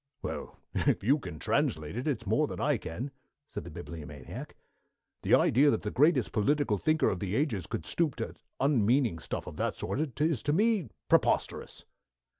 "Well, if you can translate it, it's more than I can," said the Bibliomaniac. "The idea that the greatest political thinker of the ages could stoop to unmeaning stuff of that sort is to me preposterous."